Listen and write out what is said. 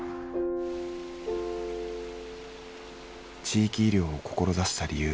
地域医療を志した理由